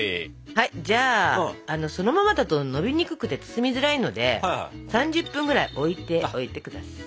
じゃあそのままだとのびにくくて包みづらいので３０分ぐらい置いておいて下さい。